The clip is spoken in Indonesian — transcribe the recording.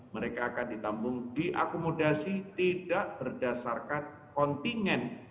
mereka akan ditambung di akumulasi tidak berdasarkan kontingen